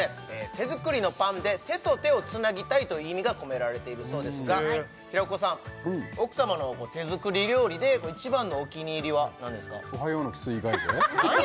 手作りのパンで手と手をつなぎたいという意味が込められているそうですが平子さん奥さまの手作り料理で一番のお気に入りは何ですかおはようのキス以外で？